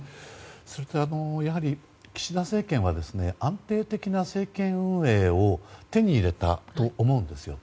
それと、岸田政権は安定的な政権運営を手に入れたと思うんですよ。